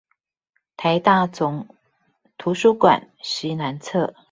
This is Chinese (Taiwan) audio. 臺大總圖書館西南側